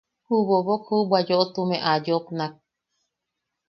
Ju bobok juʼubwa yoʼotume a yopnak: